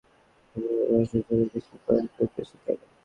সাততলায় থাকার কারণে ভূমিকম্পের ভয়াবহতাটা যেন বেশি করেই টের পেয়েছেন তাঁরা।